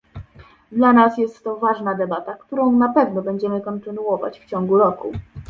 Dla nas jest to ważna debata, którą na pewno będziemy kontynuować w ciągu roku